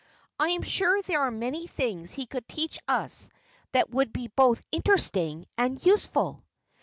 I am sure there are many things he could teach us that would be both interesting and useful."